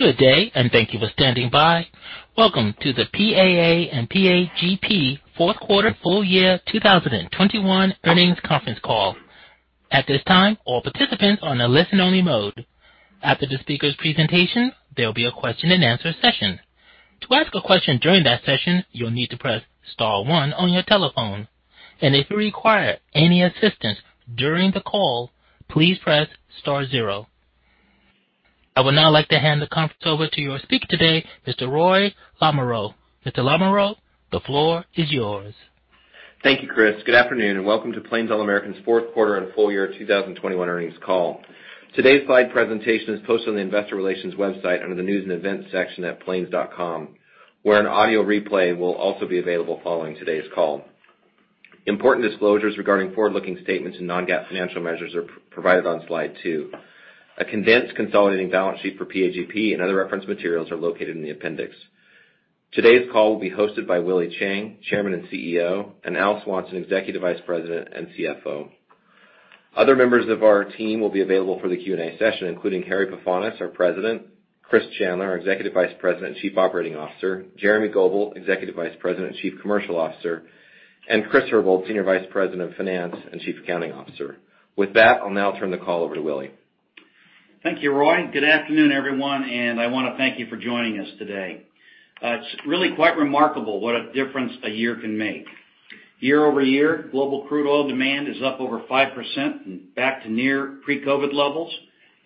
Good day, and thank you for standing by. Welcome to the PAA and PAGP fourth quarter full year 2021 earnings conference call. At this time, all participants are on a listen-only mode. After the speaker's presentation, there'll be a question and answer session. To ask a question during that session, you'll need to press star one on your telephone, and if you require any assistance during the call, please press star zero. I would now like to hand the conference over to your speaker today, Mr. Roy Lamoreaux. Mr. Lamoreaux, the floor is yours. Thank you, Chris. Good afternoon and welcome to Plains All American's fourth quarter and full year 2021 earnings call. Today's slide presentation is posted on the investor relations website under the News and Events section at plains.com, where an audio replay will also be available following today's call. Important disclosures regarding forward-looking statements and non-GAAP financial measures are provided on slide 2. A condensed consolidated balance sheet for PAGP and other reference materials are located in the appendix. Today's call will be hosted by Willie Chiang, Chairman and CEO, and Al Swanson, Executive Vice President and CFO. Other members of our team will be available for the Q&A session, including Harry Pefanis, our President; Chris Chandler, our Executive Vice President and Chief Operating Officer; Jeremy Goebel, Executive Vice President and Chief Commercial Officer; and Chris Herbold, Senior Vice President of Finance and Chief Accounting Officer. With that, I'll now turn the call over to Willie. Thank you, Roy. Good afternoon, everyone, and I wanna thank you for joining us today. It's really quite remarkable what a difference a year can make. Year-over-year, global crude oil demand is up over 5% and back to near pre-COVID levels,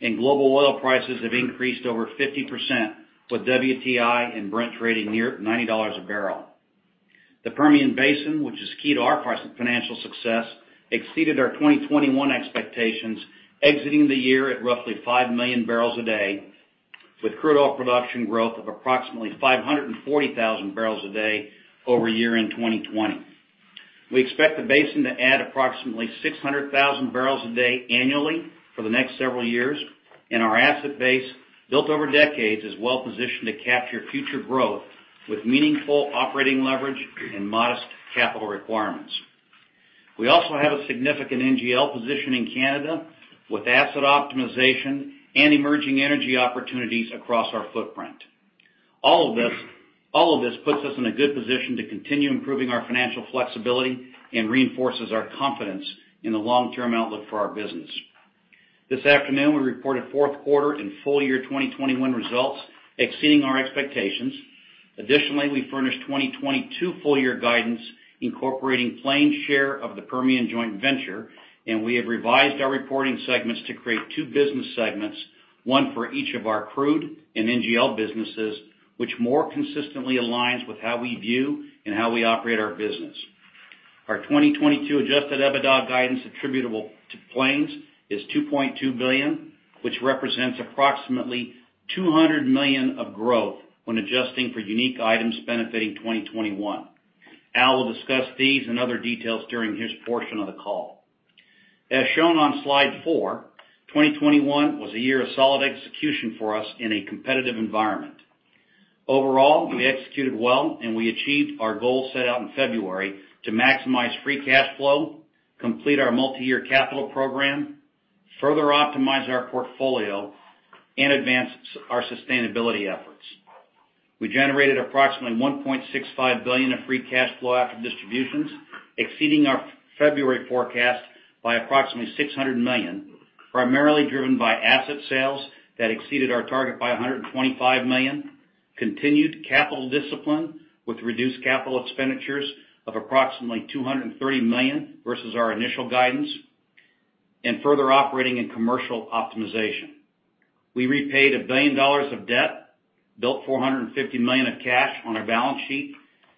and global oil prices have increased over 50% with WTI and Brent trading near $90 a barrel. The Permian Basin, which is key to our financial success, exceeded our 2021 expectations, exiting the year at roughly 5 million barrels a day with crude oil production growth of approximately 540,000 barrels a day over year-end 2020. We expect the basin to add approximately 600,000 barrels a day annually for the next several years, and our asset base, built over decades, is well-positioned to capture future growth with meaningful operating leverage and modest capital requirements. We also have a significant NGL position in Canada with asset optimization and emerging energy opportunities across our footprint. All of this puts us in a good position to continue improving our financial flexibility and reinforces our confidence in the long-term outlook for our business. This afternoon, we reported fourth quarter and full year 2021 results exceeding our expectations. Additionally, we furnished 2022 full year guidance incorporating Plains' share of the Permian joint venture, and we have revised our reporting segments to create two business segments, one for each of our crude and NGL businesses, which more consistently aligns with how we view and how we operate our business. Our 2022 adjusted EBITDA guidance attributable to Plains is $2.2 billion, which represents approximately $200 million of growth when adjusting for unique items benefiting 2021. Al will discuss these and other details during his portion of the call. As shown on slide 4, 2021 was a year of solid execution for us in a competitive environment. Overall, we executed well and we achieved our goal set out in February to maximize free cash flow, complete our multi-year capital program, further optimize our portfolio and advance our sustainability efforts. We generated approximately $1.65 billion of free cash flow after distributions, exceeding our February forecast by approximately $600 million, primarily driven by asset sales that exceeded our target by $125 million, continued capital discipline with reduced capital expenditures of approximately $230 million versus our initial guidance, and further operating and commercial optimization. We repaid $1 billion of debt, built $450 million of cash on our balance sheet,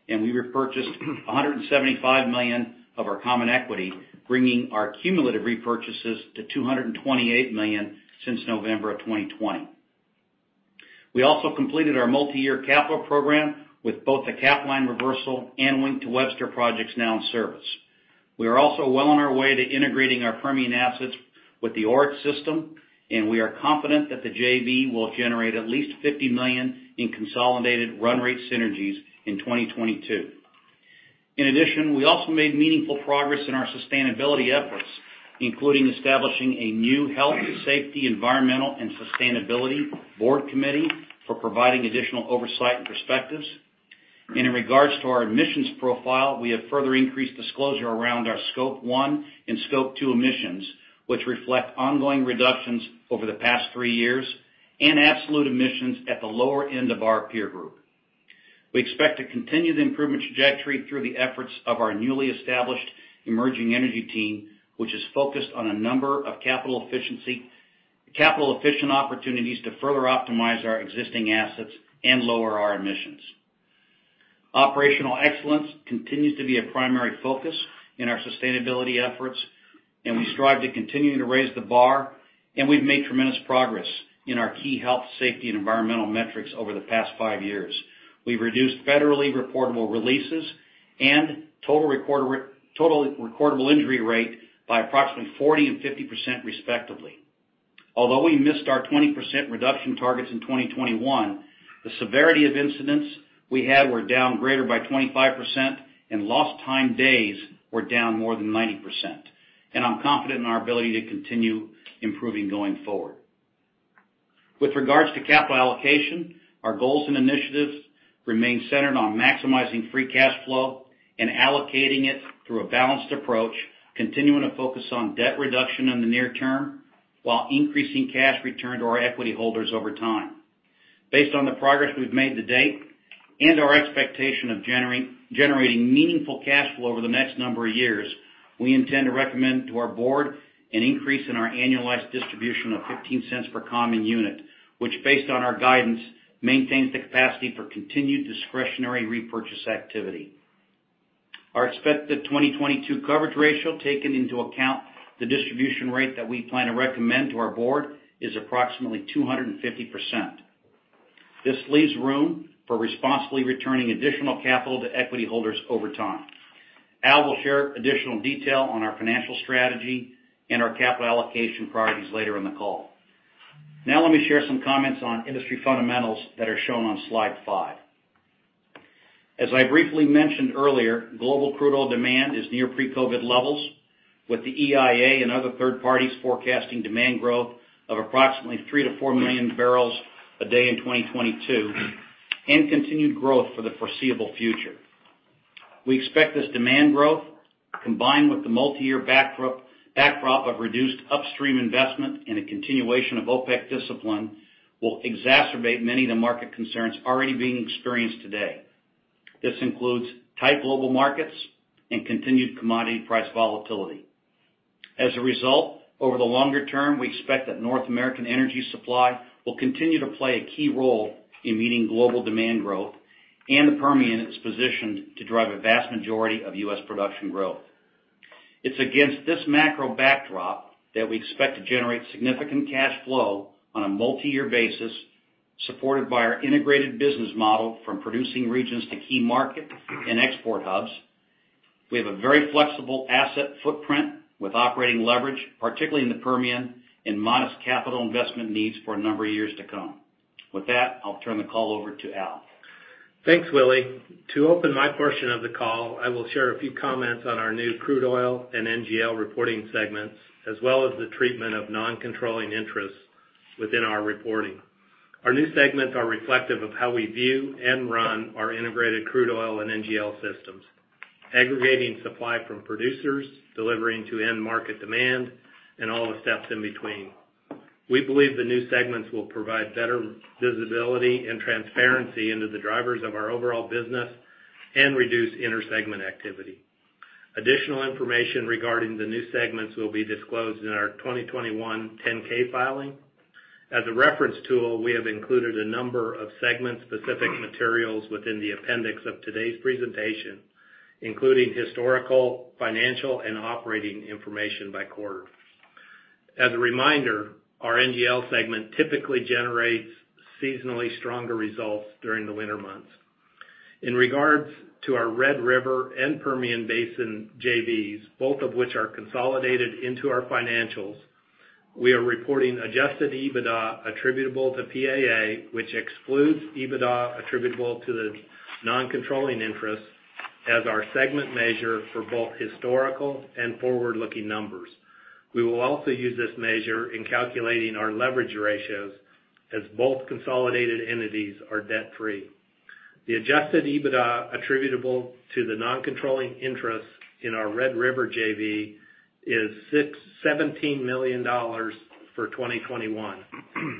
and we repurchased $175 million of our common equity, bringing our cumulative repurchases to $228 million since November 2020. We also completed our multi-year capital program with both the Capline Reversal and Wink to Webster projects now in service. We are also well on our way to integrating our Permian assets with the Oryx system, and we are confident that the JV will generate at least $50 million in consolidated run rate synergies in 2022. In addition, we also made meaningful progress in our sustainability efforts, including establishing a new health, safety, environmental, and sustainability board committee for providing additional oversight and perspectives. In regards to our emissions profile, we have further increased disclosure around our Scope 1 and Scope 2 emissions, which reflect ongoing reductions over the past three years and absolute emissions at the lower end of our peer group. We expect to continue the improvement trajectory through the efforts of our newly established emerging energy team, which is focused on a number of capital efficient opportunities to further optimize our existing assets and lower our emissions. Operational excellence continues to be a primary focus in our sustainability efforts, and we strive to continue to raise the bar, and we've made tremendous progress in our key health, safety, and environmental metrics over the past five years. We've reduced federally reportable releases and total recordable injury rate by approximately 40% and 50% respectively. Although we missed our 20% reduction targets in 2021. The severity of incidents we had were down greater by 25% and lost time days were down more than 90%. I'm confident in our ability to continue improving going forward. With regards to capital allocation, our goals and initiatives remain centered on maximizing free cash flow and allocating it through a balanced approach, continuing to focus on debt reduction in the near term while increasing cash return to our equity holders over time. Based on the progress we've made to date and our expectation of generating meaningful cash flow over the next number of years, we intend to recommend to our board an increase in our annualized distribution of $0.15 per common unit. Which, based on our guidance, maintains the capacity for continued discretionary repurchase activity. Our expected 2022 coverage ratio, taking into account the distribution rate that we plan to recommend to our board, is approximately 250%. This leaves room for responsibly returning additional capital to equity holders over time. Al will share additional detail on our financial strategy and our capital allocation priorities later in the call. Now let me share some comments on industry fundamentals that are shown on slide 5. As I briefly mentioned earlier, global crude oil demand is near pre-COVID levels, with the EIA and other third parties forecasting demand growth of approximately 3 million-4 million barrels a day in 2022, and continued growth for the foreseeable future. We expect this demand growth, combined with the multiyear backdrop of reduced upstream investment and a continuation of OPEC discipline, will exacerbate many of the market concerns already being experienced today. This includes tight global markets and continued commodity price volatility. As a result, over the longer term, we expect that North American energy supply will continue to play a key role in meeting global demand growth, and the Permian is positioned to drive a vast majority of U.S. production growth. It's against this macro backdrop that we expect to generate significant cash flow on a multi-year basis, supported by our integrated business model from producing regions to key market and export hubs. We have a very flexible asset footprint with operating leverage, particularly in the Permian, and modest capital investment needs for a number of years to come. With that, I'll turn the call over to Al. Thanks, Willie. To open my portion of the call, I will share a few comments on our new crude oil and NGL reporting segments, as well as the treatment of non-controlling interests within our reporting. Our new segments are reflective of how we view and run our integrated crude oil and NGL systems, aggregating supply from producers, delivering to end market demand, and all the steps in between. We believe the new segments will provide better visibility and transparency into the drivers of our overall business and reduce inter-segment activity. Additional information regarding the new segments will be disclosed in our 2021 10-K filing. As a reference tool, we have included a number of segment-specific materials within the appendix of today's presentation, including historical, financial, and operating information by quarter. As a reminder, our NGL segment typically generates seasonally stronger results during the winter months. In regards to our Red River and Permian Basin JVs, both of which are consolidated into our financials, we are reporting adjusted EBITDA attributable to PAA, which excludes EBITDA attributable to the non-controlling interest as our segment measure for both historical and forward-looking numbers. We will also use this measure in calculating our leverage ratios as both consolidated entities are debt-free. The adjusted EBITDA attributable to the non-controlling interest in our Red River JV is $17 million for 2021.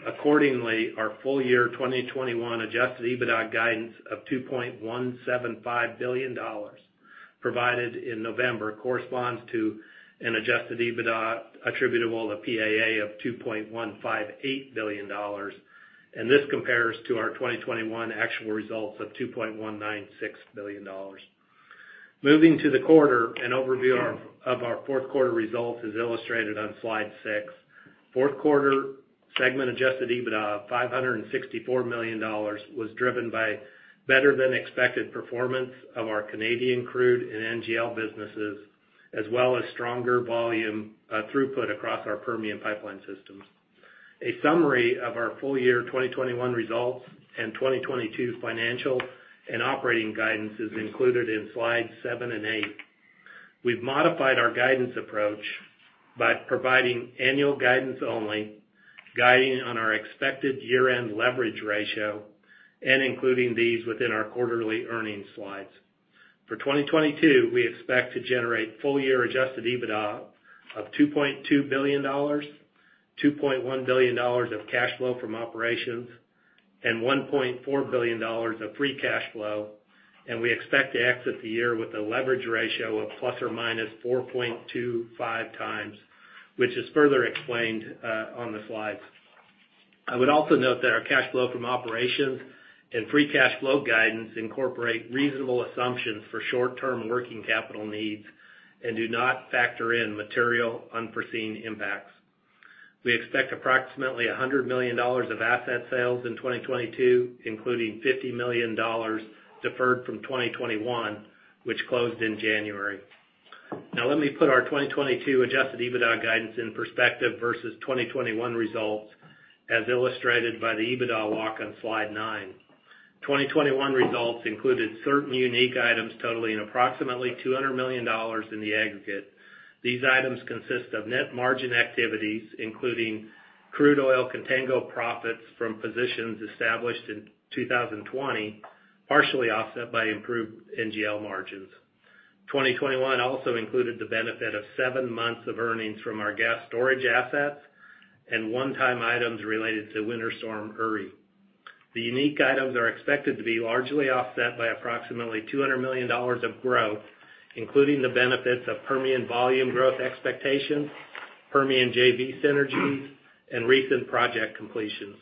Accordingly, our full year 2021 adjusted EBITDA guidance of $2.175 billion provided in November corresponds to an adjusted EBITDA attributable to PAA of $2.158 billion, and this compares to our 2021 actual results of $2.196 billion. Moving to the quarter, an overview of our fourth quarter results is illustrated on slide 6. Fourth quarter segment adjusted EBITDA of $564 million was driven by better-than-expected performance of our Canadian crude and NGL businesses, as well as stronger volume throughput across our Permian pipeline systems. A summary of our full year 2021 results and 2022 financial and operating guidance is included in slides 7 and 8. We've modified our guidance approach by providing annual guidance only, guiding on our expected year-end leverage ratio, and including these within our quarterly earnings slides. For 2022, we expect to generate full-year adjusted EBITDA of $2.2 billion, $2.1 billion of cash flow from operations, and $1.4 billion of free cash flow, and we expect to exit the year with a leverage ratio of ±4.25x, which is further explained on the slides. I would also note that our cash flow from operations and free cash flow guidance incorporate reasonable assumptions for short-term working capital needs and do not factor in material unforeseen impacts. We expect approximately $100 million of asset sales in 2022, including $50 million deferred from 2021, which closed in January. Now let me put our 2022 adjusted EBITDA guidance in perspective versus 2021 results as illustrated by the EBITDA walk on slide 9. 2021 results included certain unique items totaling approximately $200 million in the aggregate. These items consist of net margin activities, including crude oil contango profits from positions established in 2020, partially offset by improved NGL margins. 2021 also included the benefit of seven months of earnings from our gas storage assets and one-time items related to Winter Storm Uri. The unique items are expected to be largely offset by approximately $200 million of growth, including the benefits of Permian volume growth expectations, Permian JV synergies, and recent project completions.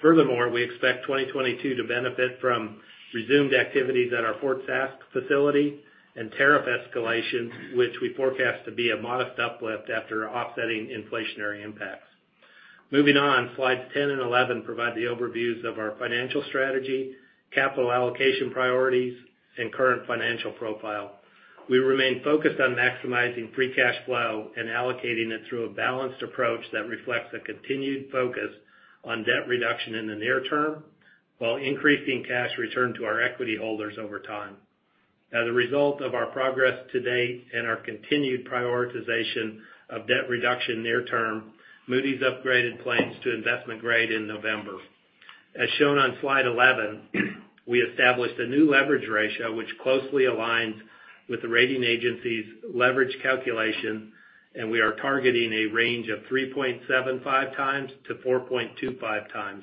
Furthermore, we expect 2022 to benefit from resumed activities at our Fort Sask facility and tariff escalation, which we forecast to be a modest uplift after offsetting inflationary impacts. Moving on, slides 10 and 11 provide the overviews of our financial strategy, capital allocation priorities, and current financial profile. We remain focused on maximizing free cash flow and allocating it through a balanced approach that reflects a continued focus on debt reduction in the near term while increasing cash return to our equity holders over time. As a result of our progress to date and our continued prioritization of debt reduction near term, Moody's upgraded Plains to investment grade in November. As shown on slide 11, we established a new leverage ratio which closely aligns with the rating agency's leverage calculation, and we are targeting a range of 3.75x-4.25x.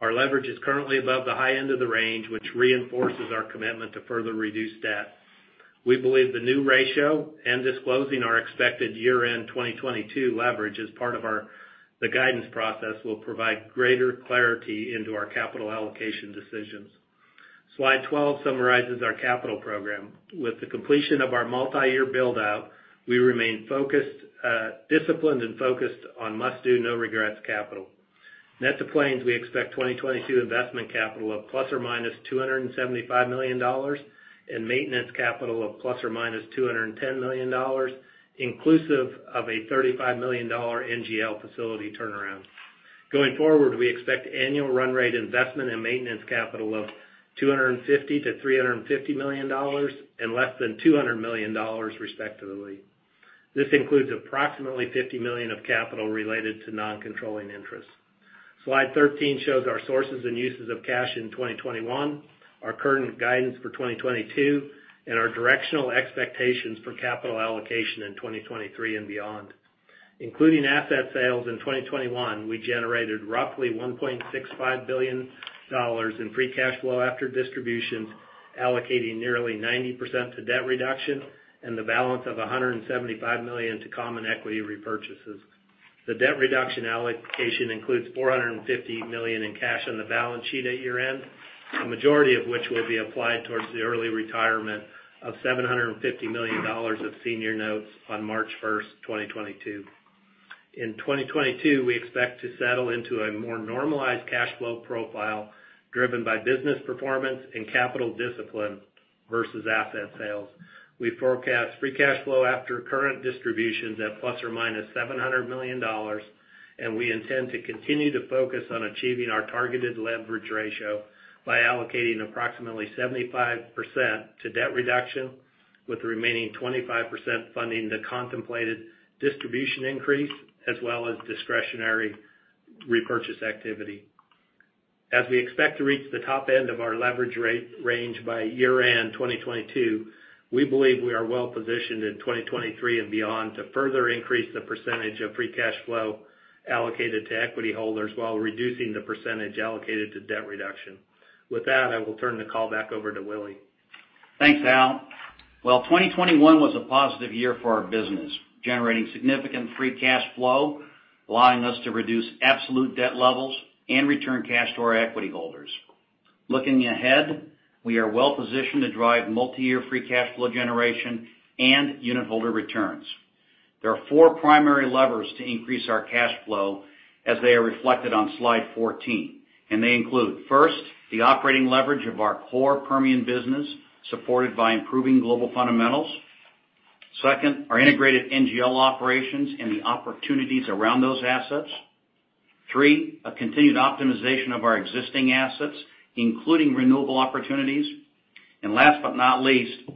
Our leverage is currently above the high end of the range, which reinforces our commitment to further reduce debt. We believe the new ratio and disclosing our expected year-end 2022 leverage as part of the guidance process will provide greater clarity into our capital allocation decisions. Slide 12 summarizes our capital program. With the completion of our multiyear build-out, we remain focused, disciplined and focused on must-do, no-regrets capital. Net to Plains, we expect 2022 investment capital of ±$275 million and maintenance capital of ±$210 million, inclusive of a $35 million NGL facility turnaround. Going forward, we expect annual run rate investment and maintenance capital of $250 million-$350 million and less than $200 million, respectively. This includes approximately $50 million of capital related to non-controlling interests. Slide 13 shows our sources and uses of cash in 2021, our current guidance for 2022, and our directional expectations for capital allocation in 2023 and beyond. Including asset sales in 2021, we generated roughly $1.65 billion in free cash flow after distributions, allocating nearly 90% to debt reduction and the balance of $175 million to common equity repurchases. The debt reduction allocation includes $450 million in cash on the balance sheet at year-end, the majority of which will be applied towards the early retirement of $750 million of senior notes on March 1, 2022. In 2022, we expect to settle into a more normalized cash flow profile driven by business performance and capital discipline versus asset sales. We forecast free cash flow after current distributions at ±$700 million, and we intend to continue to focus on achieving our targeted leverage ratio by allocating approximately 75% to debt reduction, with the remaining 25% funding the contemplated distribution increase as well as discretionary repurchase activity. As we expect to reach the top end of our leverage range by year-end 2022, we believe we are well positioned in 2023 and beyond to further increase the percentage of free cash flow allocated to equity holders while reducing the percentage allocated to debt reduction. With that, I will turn the call back over to Willie. Thanks, Al. Well, 2021 was a positive year for our business, generating significant free cash flow, allowing us to reduce absolute debt levels and return cash to our equity holders. Looking ahead, we are well positioned to drive multiyear free cash flow generation and unit holder returns. There are four primary levers to increase our cash flow as they are reflected on slide 14, and they include, first, the operating leverage of our core Permian business, supported by improving global fundamentals. Second, our integrated NGL operations and the opportunities around those assets. Three, a continued optimization of our existing assets, including renewable opportunities. And last but not least,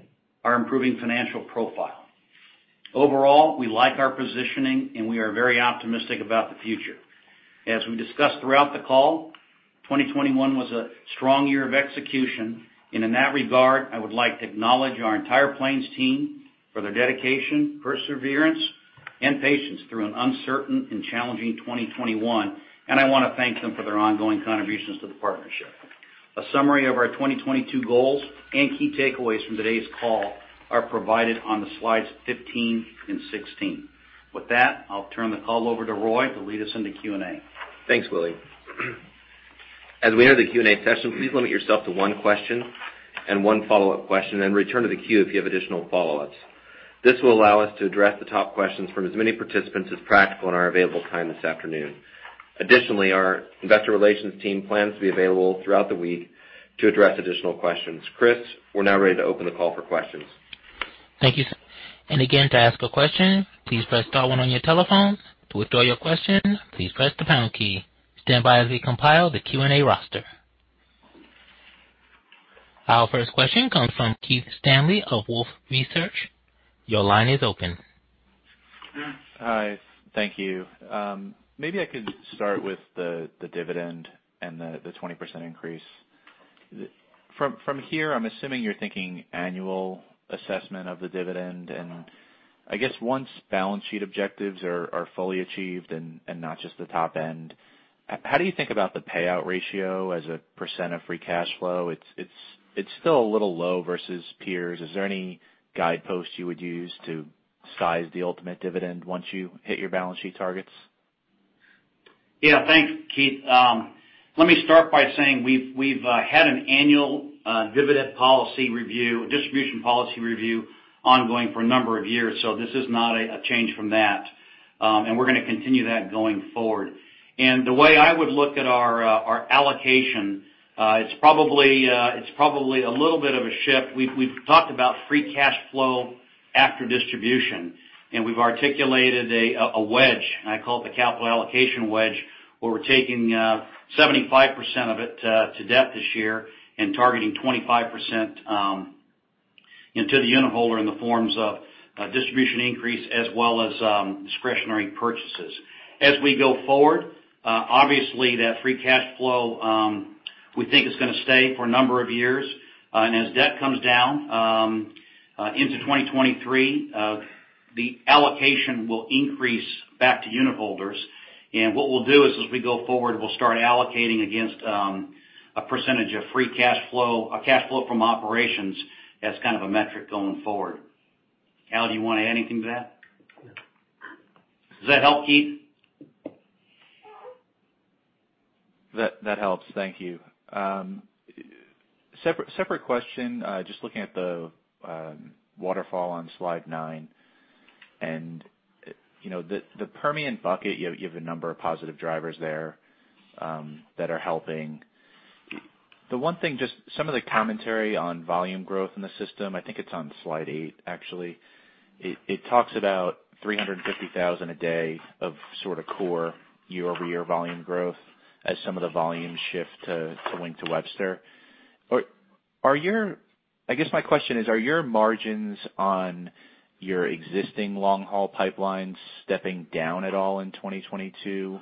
our improving financial profile. Overall, we like our positioning, and we are very optimistic about the future. As we discussed throughout the call, 2021 was a strong year of execution. In that regard, I would like to acknowledge our entire Plains team for their dedication, perseverance, and patience through an uncertain and challenging 2021, and I wanna thank them for their ongoing contributions to the partnership. A summary of our 2022 goals and key takeaways from today's call are provided on the slides 15 and 16. With that, I'll turn the call over to Roy to lead us into Q&A. Thanks, Willie. As we enter the Q&A session, please limit yourself to one question and one follow-up question, and return to the queue if you have additional follow-ups. This will allow us to address the top questions from as many participants as practical in our available time this afternoon. Additionally, our investor relations team plans to be available throughout the week to address additional questions. Chris, we're now ready to open the call for questions. Thank you. To ask a question, please press star one on your telephone. To withdraw your question, please press the pound key. Stand by as we compile the Q and A roster. Our first question comes from Keith Stanley of Wolfe Research. Your line is open. Hi. Thank you. Maybe I could start with the dividend and the 20% increase. From here, I'm assuming you're thinking annual assessment of the dividend. I guess once balance sheet objectives are fully achieved and not just the top end, how do you think about the payout ratio as a percent of free cash flow? It's still a little low versus peers. Is there any guidepost you would use to size the ultimate dividend once you hit your balance sheet targets? Yeah. Thanks, Keith. Let me start by saying we've had an annual dividend policy review, distribution policy review ongoing for a number of years. This is not a change from that, and we're gonna continue that going forward. The way I would look at our allocation, it's probably a little bit of a shift. We've talked about free cash flow after distribution, and we've articulated a wedge, and I call it the capital allocation wedge, where we're taking 75% of it to debt this year and targeting 25% into the unitholder in the forms of a distribution increase as well as discretionary purchases. As we go forward, obviously, that free cash flow we think is gonna stay for a number of years. As debt comes down into 2023, the allocation will increase back to unitholders. What we'll do is, as we go forward, we'll start allocating against a percentage of free cash flow, cash flow from operations as kind of a metric going forward. Al, do you wanna add anything to that? Does that help, Keith? That helps. Thank you. Separate question. Just looking at the waterfall on slide 9, and you know the Permian bucket, you have a number of positive drivers there that are helping. The one thing, just some of the commentary on volume growth in the system, I think it's on slide 8, actually. It talks about 350,000 a day of sort of core year-over-year volume growth as some of the volumes shift to Wink to Webster. Are your-- I guess my question is, are your margins on your existing long-haul pipelines stepping down at all in 2022,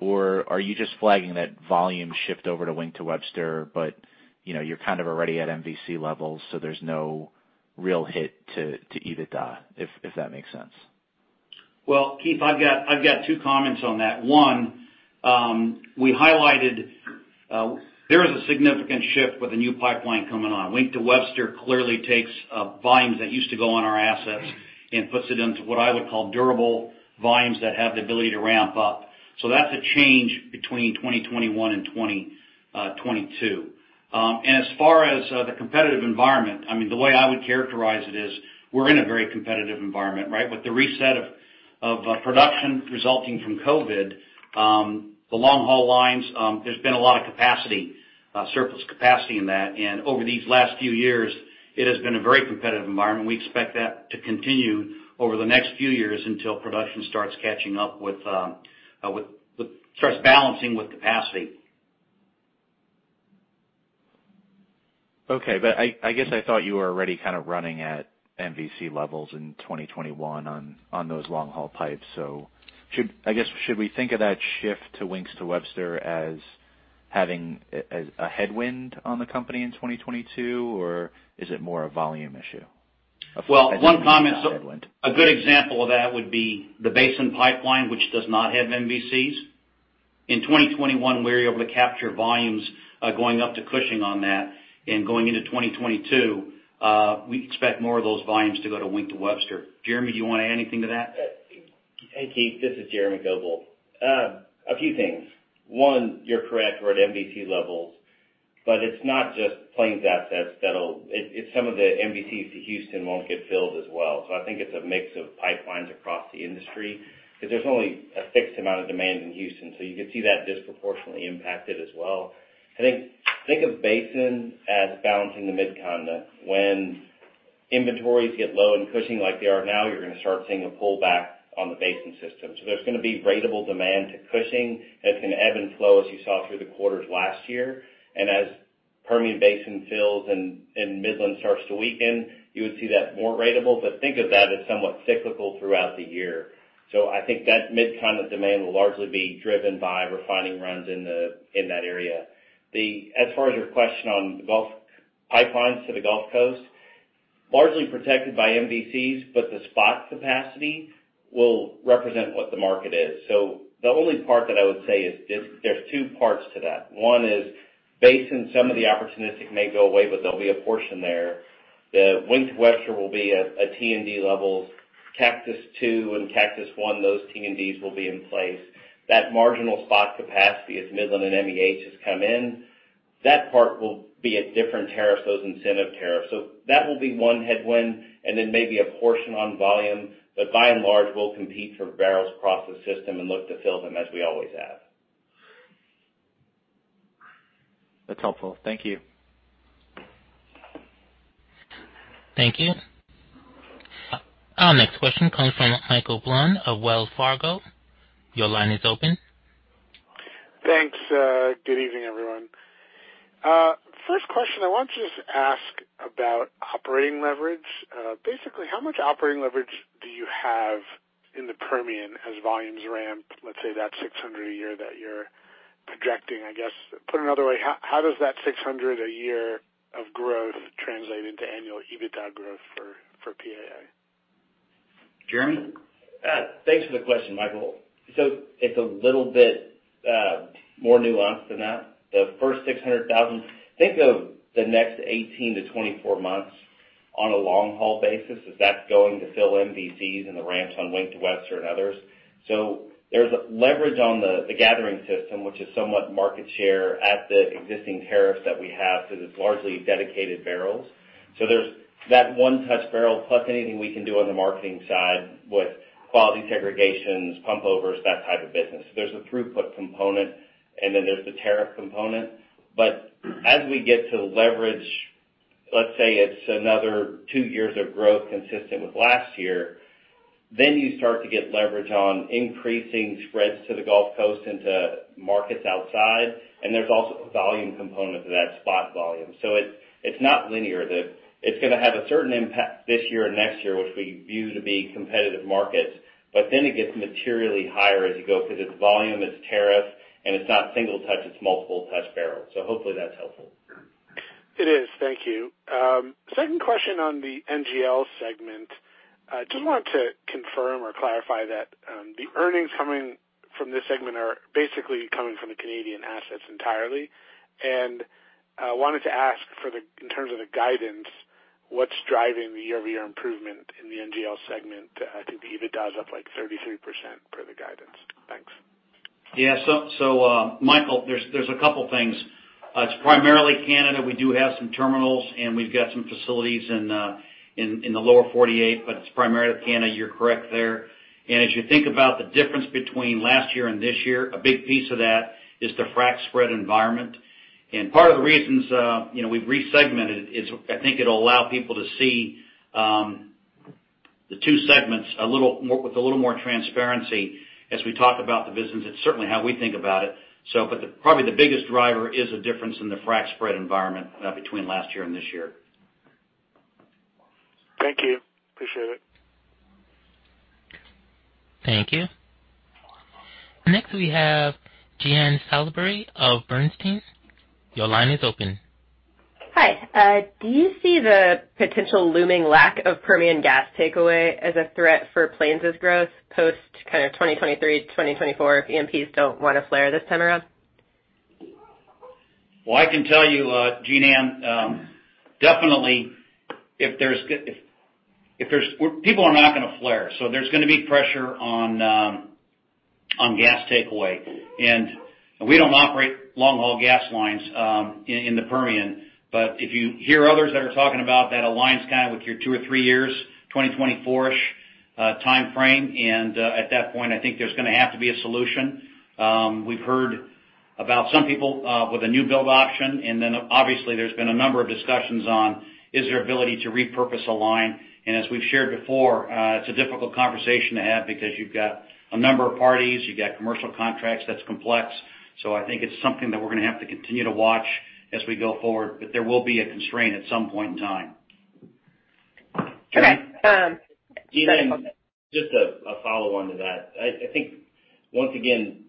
or are you just flagging that volume shift over to Wink to Webster, but you know you're kind of already at MVC levels, so there's no real hit to EBITDA, if that makes sense? Well, Keith, I've got two comments on that. One, we highlighted there is a significant shift with a new pipeline coming on. Wink to Webster clearly takes volumes that used to go on our assets and puts it into what I would call durable volumes that have the ability to ramp up. That's a change between 2021 and 2022. As far as the competitive environment, I mean, the way I would characterize it is we're in a very competitive environment, right? With the reset of production resulting from COVID, the long-haul lines, there's been a lot of surplus capacity in that. Over these last few years, it has been a very competitive environment. We expect that to continue over the next few years until production starts balancing with capacity. Okay. I guess I thought you were already kind of running at MVC levels in 2021 on those long-haul pipes. Should we think of that shift to Wink to Webster as having a headwind on the company in 2022, or is it more a volume issue as it relates to headwind? Well, one comment. A good example of that would be the Basin Pipeline, which does not have MVCs. In 2021, we were able to capture volumes going up to Cushing on that. Going into 2022, we expect more of those volumes to go to Wink to Webster. Jeremy, do you wanna add anything to that? Hey, Keith. This is Jeremy Goebel. A few things. One, you're correct, we're at MVC levels, but it's not just Plains assets that'll. It's some of the MVCs to Houston won't get filled as well. I think it's a mix of pipelines across the industry, because there's only a fixed amount of demand in Houston, so you could see that disproportionately impacted as well. I think of Basin as balancing the Midcontinent. When inventories get low in Cushing like they are now, you're gonna start seeing a pullback on the Basin system. There's gonna be ratable demand to Cushing that's gonna ebb and flow as you saw through the quarters last year. As Permian Basin fills and Midland starts to weaken, you would see that more ratable. Think of that as somewhat cyclical throughout the year. I think that Midcontinent demand will largely be driven by refining runs in that area. As far as your question on the Gulf pipelines to the Gulf Coast, largely protected by MVCs, but the spot capacity will represent what the market is. The only part that I would say is there's two parts to that. One is Basin, some of the opportunistic may go away, but there'll be a portion there. The Wink to Webster will be at T&Ds levels. Cactus II and Cactus I, those T&Ds will be in place. That marginal spot capacity as Midland and MEH has come in. That part will be at different tariffs, those incentive tariffs. That will be one headwind and then maybe a portion on volume. By and large, we'll compete for barrels across the system and look to fill them as we always have. That's helpful. Thank you. Thank you. Our next question comes from Michael Blum of Wells Fargo. Your line is open. Thanks. Good evening, everyone. First question, I wanted to just ask about operating leverage. Basically, how much operating leverage do you have in the Permian as volumes ramp, let's say that 600 a year that you're projecting, I guess. Put another way, how does that 600 a year of growth translate into annual EBITDA growth for PAA? Jeremy? Thanks for the question, Michael. It's a little bit more nuanced than that. The first 600,000—think of the next 18-24 months on a long-haul basis, that's going to fill MVCs and the ramps on Wink to Webster and others. There's leverage on the gathering system, which is somewhat market share at the existing tariffs that we have because it's largely dedicated barrels. There's that one-touch barrel plus anything we can do on the marketing side with quality segregations, pump overs, that type of business. There's a throughput component, and then there's the tariff component. As we get to leverage, let's say it's another two years of growth consistent with last year, then you start to get leverage on increasing spreads to the Gulf Coast into markets outside. There's also volume component to that spot volume. It's not linear. It's gonna have a certain impact this year or next year, which we view to be competitive markets. It gets materially higher as you go through this volume, this tariff, and it's not single touch, it's multiple touch barrels. Hopefully that's helpful. It is. Thank you. Second question on the NGL segment. Just want to confirm or clarify that the earnings coming from this segment are basically coming from the Canadian assets entirely. Wanted to ask in terms of the guidance, what's driving the year-over-year improvement in the NGL segment? I think the EBITDA is up, like, 33% per the guidance. Thanks. Michael, there's a couple things. It's primarily Canada. We do have some terminals, and we've got some facilities in the lower 48, but it's primarily Canada. You're correct there. As you think about the difference between last year and this year, a big piece of that is the frac spread environment. Part of the reasons we've resegmented is I think it'll allow people to see the two segments a little more with a little more transparency as we talk about the business. It's certainly how we think about it. Probably the biggest driver is a difference in the frac spread environment between last year and this year. Thank you. Appreciate it. Thank you. Next, we have Jean Ann Salisbury of Bernstein. Your line is open. Hi. Do you see the potential looming lack of Permian gas takeaway as a threat for Plains' growth post kind of 2023, 2024 if E&Ps don't wanna flare this time around? Well, I can tell you, Jean, definitely if there's people are not gonna flare, so there's gonna be pressure on gas takeaway. We don't operate long-haul gas lines in the Permian. If you hear others that are talking about that alliance kind of with your two or three years, 2024-ish timeframe, at that point, I think there's gonna have to be a solution. We've heard about some people with a new build option, and then obviously there's been a number of discussions on is there ability to repurpose a line. As we've shared before, it's a difficult conversation to have because you've got a number of parties, you've got commercial contracts that's complex. I think it's something that we're gonna have to continue to watch as we go forward. There will be a constraint at some point in time. Okay. Jean, just a follow-on to that. I think once again,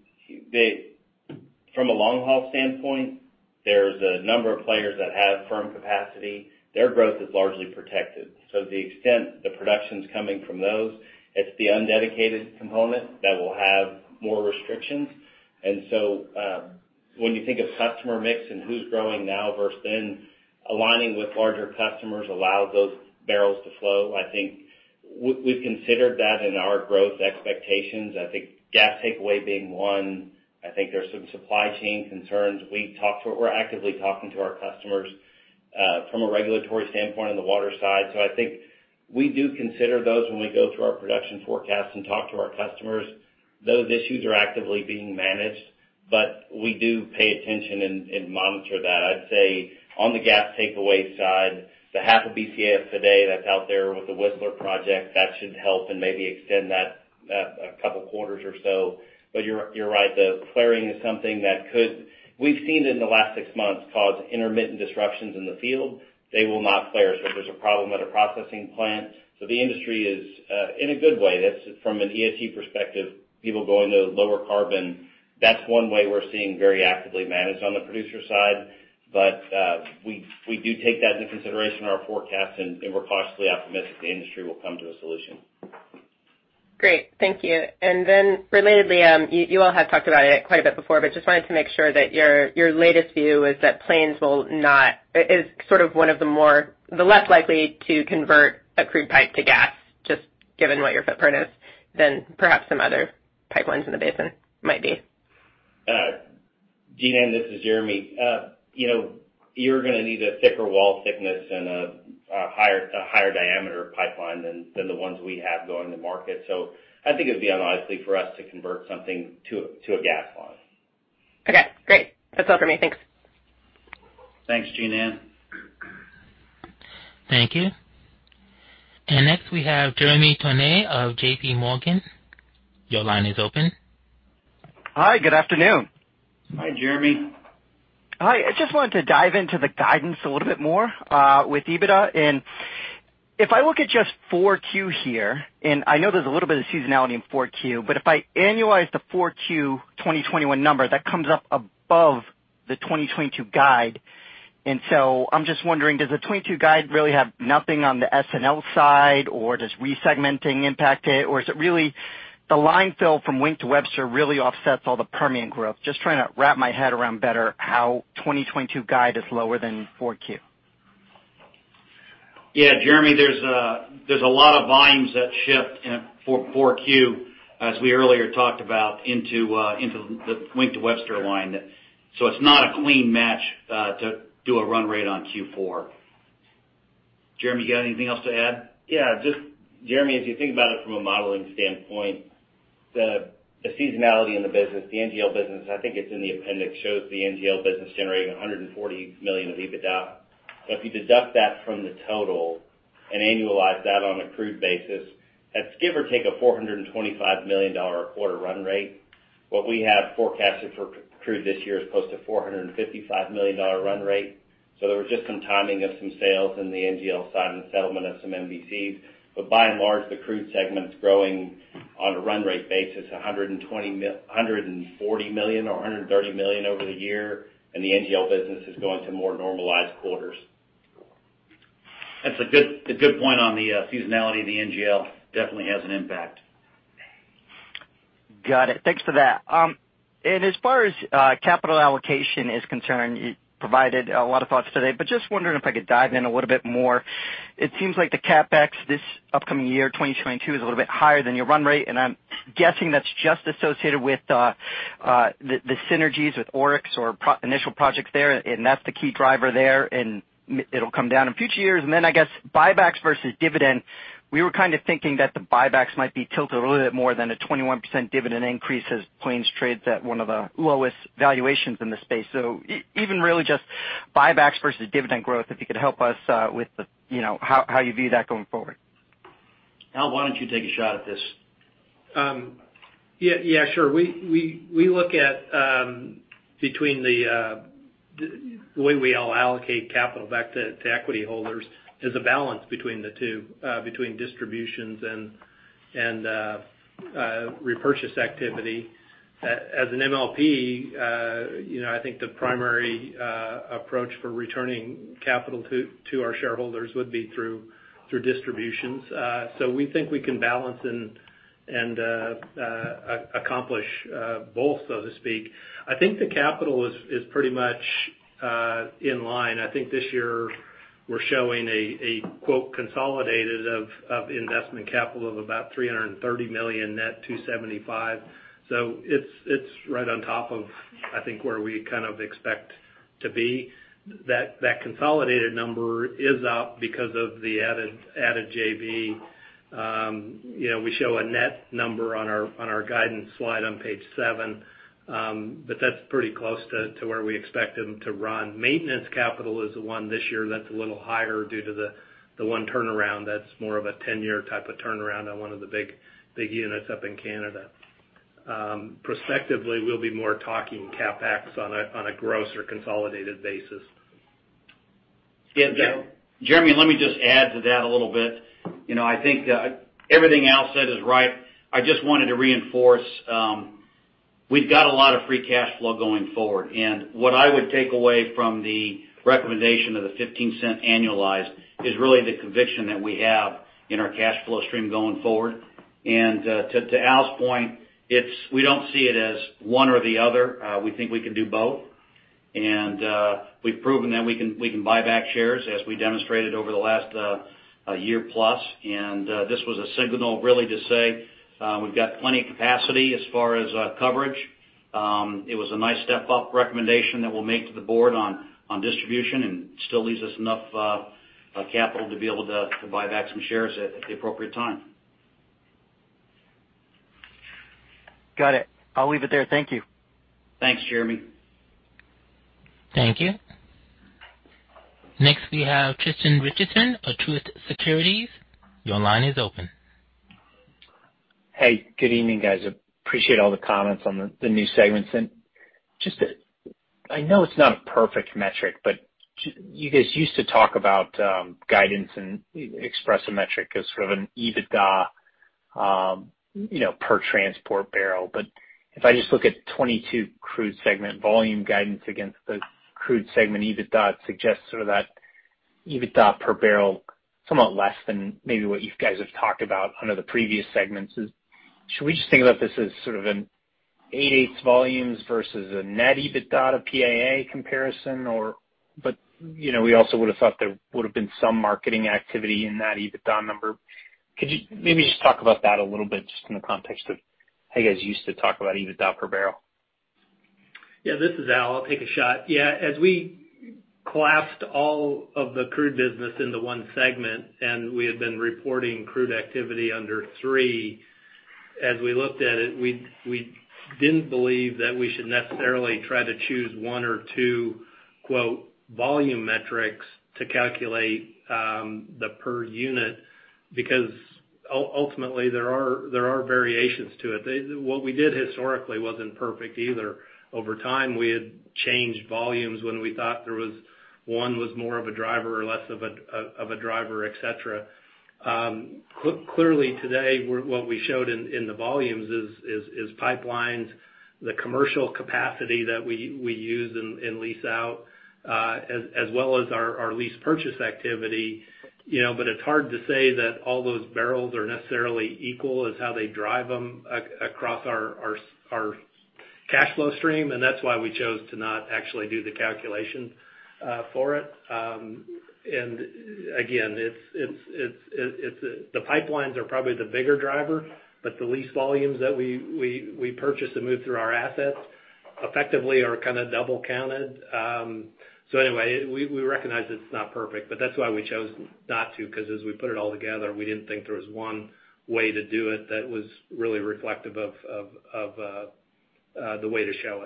from a long-haul standpoint, there's a number of players that have firm capacity. Their growth is largely protected. To the extent the production's coming from those, it's the undedicated component that will have more restrictions. When you think of customer mix and who's growing now versus then, aligning with larger customers allows those barrels to flow. I think we've considered that in our growth expectations. I think gas takeaway being one. I think there's some supply chain concerns. We're actively talking to our customers from a regulatory standpoint on the water side. I think we do consider those when we go through our production forecast and talk to our customers. Those issues are actively being managed, but we do pay attention and monitor that. I'd say on the gas takeaway side, the half of BCF today that's out there with the Whistler project that should help and maybe extend that a couple quarters or so. You're right, the flaring is something that could cause intermittent disruptions in the field. We've seen it in the last six months causing intermittent disruptions in the field. They will not flare if there's a problem at a processing plant. The industry is in a good way. That's from an ESG perspective, people going to lower carbon. That's one way we're seeing very actively managed on the producer side. We do take that into consideration in our forecast and we're cautiously optimistic the industry will come to a solution. Great. Thank you. Relatedly, you all have talked about it quite a bit before, but just wanted to make sure that your latest view is that Plains is sort of one of the less likely to convert a crude pipe to gas, just given what your footprint is than perhaps some others. Pipelines in the basin might be. Jean, this is Jeremy. You know, you're gonna need a thicker wall thickness and a higher diameter pipeline than the ones we have going to market. I think it would be unlikely for us to convert something to a gas line. Okay, great. That's all for me. Thanks. Thanks, Jean Ann. Thank you. Next, we have Jeremy Tonet of JPMorgan. Your line is open. Hi, good afternoon. Hi, Jeremy. Hi. I just wanted to dive into the guidance a little bit more with EBITDA. If I look at just Q4 here, and I know there's a little bit of seasonality in Q4, but if I annualize the Q4 2021 number, that comes up above the 2022 guide. I'm just wondering, does the 2022 guide really have nothing on the NGL side, or does re-segmenting impact it? Or is it really the line fill from Wink to Webster really offsets all the Permian growth. Just trying to wrap my head around better how 2022 guide is lower than Q4. Yeah, Jeremy, there's a lot of volumes that shift in Q4, as we earlier talked about, into the Wink to Webster line. So it's not a clean match to do a run rate on Q4. Jeremy, you got anything else to add? Yeah, just Jeremy, as you think about it from a modeling standpoint, the seasonality in the business, the NGL business, I think it's in the appendix, shows the NGL business generating $140 million of EBITDA. If you deduct that from the total and annualize that on a crude basis, that's give or take a $425 million a quarter run rate. What we have forecasted for crude this year is close to $455 million run rate. There was just some timing of some sales in the NGL side and settlement of some MVCs. By and large, the crude segment is growing on a run rate basis, $140 million or $130 million over the year, and the NGL business is going to more normalized quarters. That's a good point on the seasonality of the NGL. Definitely has an impact. Got it. Thanks for that. As far as capital allocation is concerned, you provided a lot of thoughts today, but just wondering if I could dive in a little bit more. It seems like the CapEx this upcoming year, 2022, is a little bit higher than your run rate, and I'm guessing that's just associated with the synergies with Oryx or initial projects there, and that's the key driver there, and it'll come down in future years. Then I guess buybacks versus dividend, we were kind of thinking that the buybacks might be tilted a little bit more than a 21% dividend increase as Plains trades at one of the lowest valuations in the space. So even really just buybacks versus dividend growth, if you could help us with the, you know, how you view that going forward. Al, why don't you take a shot at this? Yeah. Yeah, sure. We look at the way we all allocate capital back to equity holders is a balance between the two, between distributions and repurchase activity. As an MLP, you know, I think the primary approach for returning capital to our shareholders would be through distributions. We think we can balance and accomplish both, so to speak. I think the capital is pretty much in line. I think this year we're showing a quote consolidated investment capital of about $330 million net, $275. It's right on top of, I think, where we kind of expect to be. That consolidated number is up because of the added JV. You know, we show a net number on our guidance slide on page 7, but that's pretty close to where we expect them to run. Maintenance capital is the one this year that's a little higher due to the one turnaround that's more of a 10-year type of turnaround on one of the big units up in Canada. Prospectively, we'll be more talking CapEx on a gross or consolidated basis. Yeah. Jeremy, let me just add to that a little bit. You know, I think everything Al said is right. I just wanted to reinforce, we've got a lot of free cash flow going forward. What I would take away from the recommendation of the $0.15 annualized is really the conviction that we have in our cash flow stream going forward. To Al's point, it's. We don't see it as one or the other. We think we can do both. We've proven that we can buy back shares as we demonstrated over the last year plus. This was a signal really to say, we've got plenty of capacity as far as coverage. It was a nice step-up recommendation that we'll make to the board on distribution and still leaves us enough capital to be able to buy back some shares at the appropriate time. Got it. I'll leave it there. Thank you. Thanks, Jeremy. Thank you. Next we have Tristan Richardson of Truist Securities. Your line is open. Hey, good evening, guys. Appreciate all the comments on the new segments. I know it's not a perfect metric, but you guys used to talk about guidance and express a metric as sort of an EBITDA, you know, per transport barrel. But if I just look at 22 crude segment volume guidance against the crude segment, EBITDA suggests sort of that EBITDA per barrel somewhat less than maybe what you guys have talked about under the previous segments. Should we just think about this as sort of an 8/8ths volumes versus a net EBITDA PAA comparison or, but, you know, we also would have thought there would have been some marketing activity in that EBITDA number. Could you maybe just talk about that a little bit just in the context of how you guys used to talk about EBITDA per barrel? Yeah, this is Al. I'll take a shot. Yeah, as we collapsed all of the crude business into one segment, and we had been reporting crude activity under three, as we looked at it, we didn't believe that we should necessarily try to choose one or two quote volume metrics to calculate the per unit because ultimately, there are variations to it. What we did historically wasn't perfect either. Over time, we had changed volumes when we thought one was more of a driver or less of a driver, et cetera. Clearly today, what we showed in the volumes is pipelines, the commercial capacity that we use and lease out, as well as our lease purchase activity. You know, it's hard to say that all those barrels are necessarily equal as how they drive them across our cash flow stream, and that's why we chose to not actually do the calculation for it. Again, it's the pipelines are probably the bigger driver, but the lease volumes that we purchase and move through our assets effectively are kind of double-counted. Anyway, we recognize it's not perfect, but that's why we chose not to, 'cause as we put it all together, we didn't think there was one way to do it that was really reflective of the way to show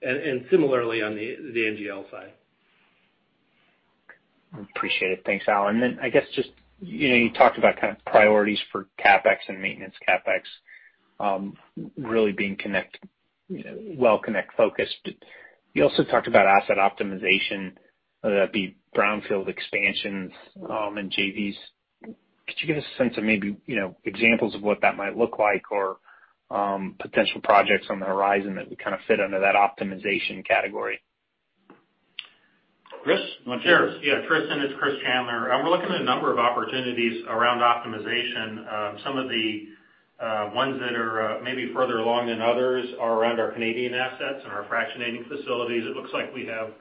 it. Similarly on the NGL side. Appreciate it. Thanks, Al. Then I guess just, you know, you talked about kind of priorities for CapEx and maintenance CapEx, really being connectivity focused. You also talked about asset optimization, whether that be brownfield expansions, and JVs. Could you give us a sense of maybe, you know, examples of what that might look like or, potential projects on the horizon that would kind of fit under that optimization category? Chris, you want to take this? Sure, yeah. Tristan, it's Chris Chandler. We're looking at a number of opportunities around optimization. Some of the ones that are maybe further along than others are around our Canadian assets and our fractionating facilities. It looks like we have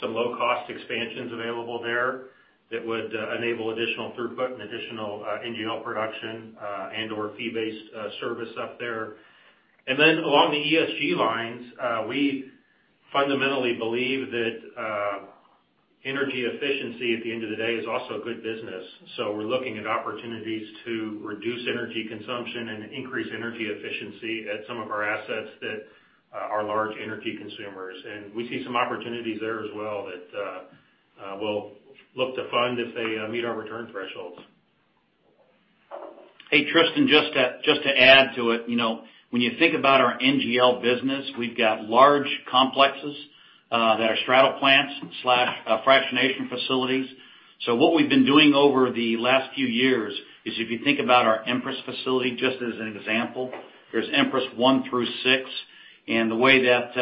some low-cost expansions available there that would enable additional throughput and additional NGL production and/or fee-based service up there. Along the ESG lines, we fundamentally believe that energy efficiency at the end of the day is also a good business. We're looking at opportunities to reduce energy consumption and increase energy efficiency at some of our assets that are large energy consumers. We see some opportunities there as well that we'll look to fund if they meet our return thresholds. Hey, Tristan, just to add to it, you know, when you think about our NGL business, we've got large complexes that are straddle plants, fractionation facilities. What we've been doing over the last few years is if you think about our Empress facility, just as an example, there's Empress 1 through 6, and the way that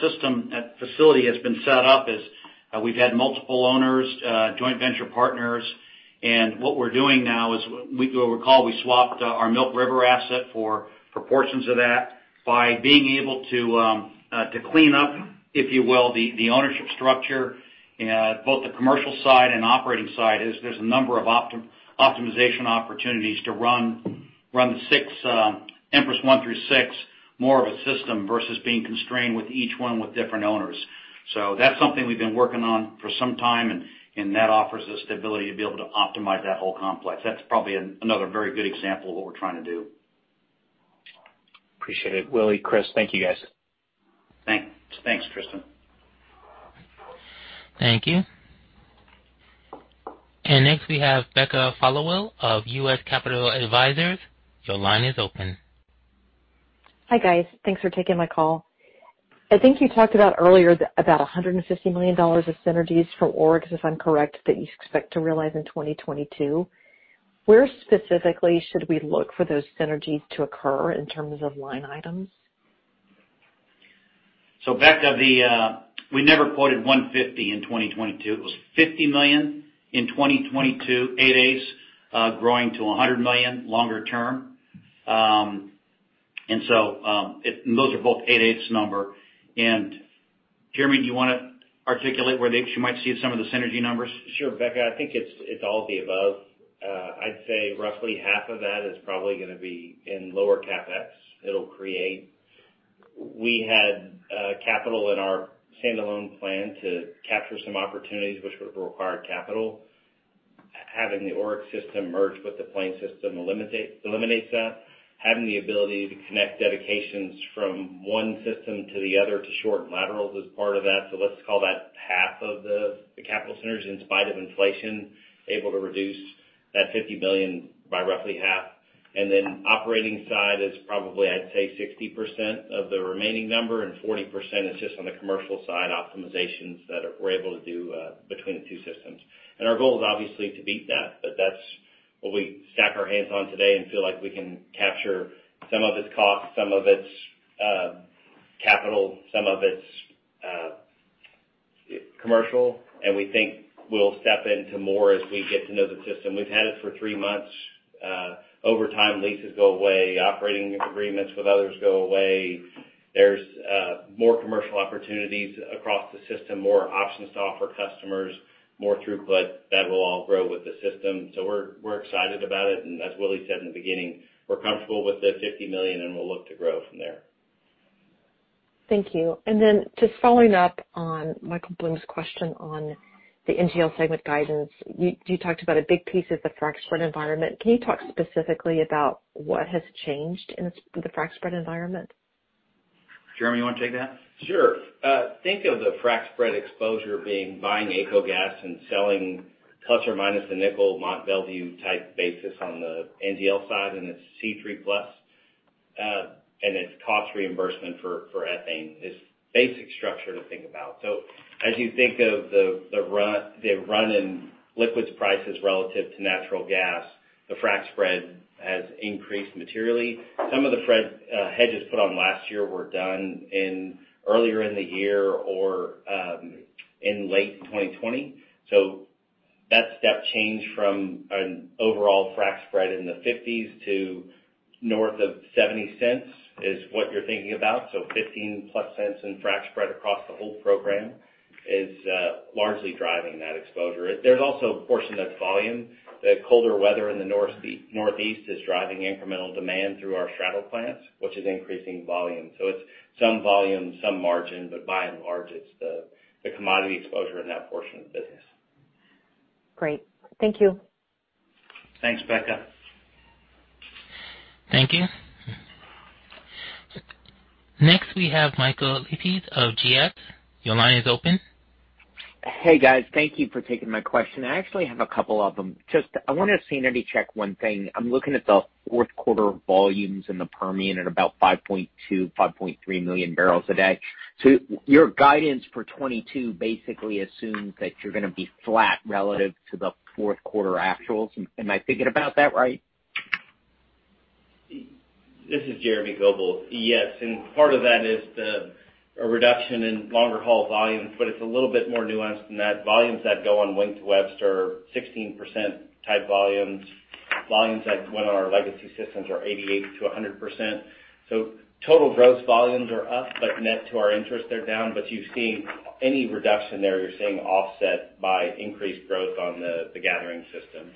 system, that facility has been set up is we've had multiple owners, joint venture partners. What we're doing now is you'll recall we swapped our Milk River asset for proportions of that. By being able to clean up, if you will, the ownership structure, both the commercial side and operating side, there's a number of optimization opportunities to run the six Empress one through six more of a system versus being constrained with each one with different owners. That's something we've been working on for some time, and that offers us the ability to be able to optimize that whole complex. That's probably another very good example of what we're trying to do. Appreciate it. Willie, Chris, thank you, guys. Thanks, Tristan. Thank you. Next, we have Becca Followill of U.S. Capital Advisors. Your line is open. Hi, guys. Thanks for taking my call. I think you talked about earlier about $150 million of synergies from Oryx, if I'm correct, that you expect to realize in 2022. Where specifically should we look for those synergies to occur in terms of line items? Becca, we never quoted 150 in 2022. It was $50 million in 2022, 8/8ths, growing to $100 million longer term. Those are both 8/8ths number. Jeremy, do you wanna articulate where you might see some of the synergy numbers? Sure. Becca, I think it's all of the above. I'd say roughly half of that is probably gonna be in lower CapEx. It'll create. We had capital in our standalone plan to capture some opportunities which would require capital. Having the Oryx system merged with the Plains system eliminates that. Having the ability to connect dedications from one system to the other to shorten laterals is part of that. Let's call that half of the capital savings in spite of inflation, able to reduce that $50 billion by roughly half. Operating side is probably, I'd say 60% of the remaining number, and 40% is just on the commercial side optimizations that we're able to do between the two systems. Our goal is obviously to beat that, but that's what we hang our hat on today and feel like we can capture some of its costs, some of its capital. Commercial, we think we'll step into more as we get to know the system. We've had it for three months. Over time, leases go away, operating agreements with others go away. There's more commercial opportunities across the system, more options to offer customers, more throughput that will all grow with the system. We're excited about it. As Willie said in the beginning, we're comfortable with the $50 million, and we'll look to grow from there. Thank you. Just following up on Michael Blum's question on the NGL segment guidance. You talked about a big piece of the frac spread environment. Can you talk specifically about what has changed in the frac spread environment? Jeremy, you wanna take that? Sure. Think of the frac spread exposure being buying AECO gas and selling TET minus the nickel Mont Belvieu type basis on the NGL side, and it's C3+. It's cost reimbursement for ethane is basic structure to think about. As you think of the run in liquids prices relative to natural gas, the frac spread has increased materially. Some of the hedges put on last year were done earlier in the year or in late 2020. That step change from an overall frac spread in the $0.50s to north of $0.70 is what you're thinking about. $0.15+ in frac spread across the whole program is largely driving that exposure. There's also a portion of volume. The colder weather in the Northeast is driving incremental demand through our straddle plants, which is increasing volume. It's some volume, some margin, but by and large, it's the commodity exposure in that portion of the business. Great. Thank you. Thanks, Becca. Thank you. Next, we have Michael Lapides of GS. Your line is open. Hey, guys. Thank you for taking my question. I actually have a couple of them. Just I wanna sanity check one thing. I'm looking at the fourth quarter volumes in the Permian at about 5.2 million-5.3 million barrels a day. So your guidance for 2022 basically assumes that you're gonna be flat relative to the fourth quarter actuals. Am I thinking about that right? This is Jeremy Goebel. Yes, part of that is a reduction in longer haul volumes, but it's a little bit more nuanced than that. Volumes that go on Wink to Webster, 16% type volumes. Volumes that went on our legacy systems are 88%-100%. Total gross volumes are up, but net to our interest, they're down. You've seen any reduction there, you're seeing offset by increased growth on the gathering system.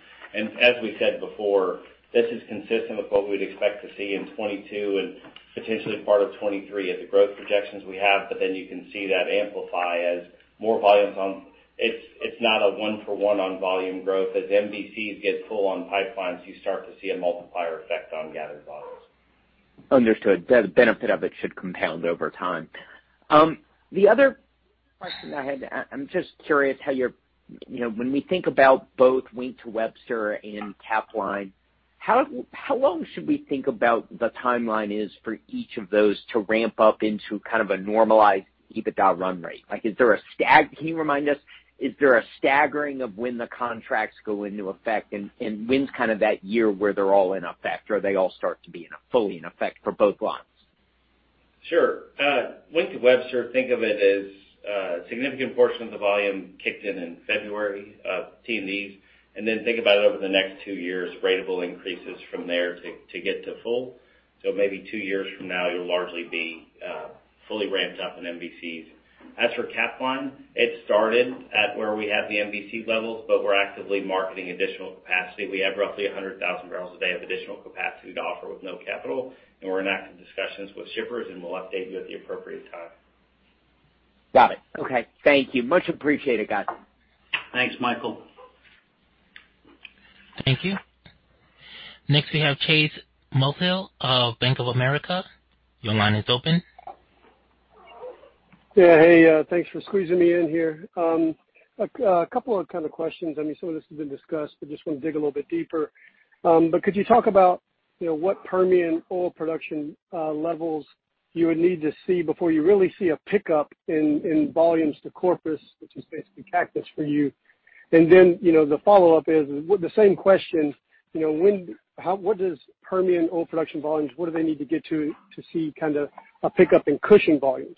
As we said before, this is consistent with what we'd expect to see in 2022 and potentially part of 2023 at the growth projections we have. Then you can see that amplify as more volumes on. It's not a one for one on volume growth. As MVCs get full on pipelines, you start to see a multiplier effect on gathered volumes. Understood. The benefit of it should compound over time. The other question I had, I'm just curious. You know, when we think about both Wink to Webster and Capline, how long should we think about the timeline is for each of those to ramp up into kind of a normalized EBITDA run rate? Like, can you remind us, is there a staggering of when the contracts go into effect and when's kind of that year where they're all in effect or they all start to be fully in effect for both lines? Sure. Wink to Webster, think of it as a significant portion of the volume kicked in in February, T&Ds. Think about over the next two years, ratable increases from there to get to full. Maybe two years from now, you'll largely be fully ramped up in MVCs. As for Capline, it started at where we had the MVC levels, but we're actively marketing additional capacity. We have roughly 100,000 barrels a day of additional capacity to offer with no capital, and we're in active discussions with shippers, and we'll update you at the appropriate time. Got it. Okay. Thank you. Much appreciated, guys. Thanks, Michael. Thank you. Next, we have Chase Mulvehill of Bank of America. Your line is open. Yeah. Hey, thanks for squeezing me in here. A couple of kind of questions. I mean, some of this has been discussed, but just wanna dig a little bit deeper. Could you talk about, you know, what Permian oil production levels you would need to see before you really see a pickup in volumes to Corpus, which is basically Cactus for you. You know, the follow-up is, with the same question, you know, what does Permian oil production volumes need to get to see kind of a pickup in Cushing volumes?